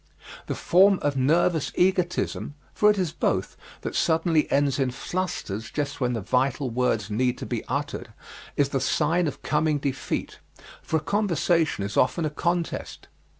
The form of nervous egotism for it is both that suddenly ends in flusters just when the vital words need to be uttered, is the sign of coming defeat, for a conversation is often a contest.